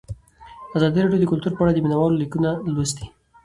ازادي راډیو د کلتور په اړه د مینه والو لیکونه لوستي.